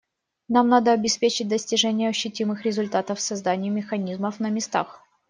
Нам надо обеспечить достижение ощутимых результатов в создании механизмов на местах.